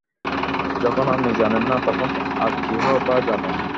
যখন আপনিই জানেন না তখন আর কেই বা জানে।